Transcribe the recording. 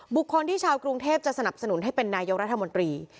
บุคคลที่ชาวกรุงเทพจะสนับสนุนให้เป็นนายกรัฐมนตรี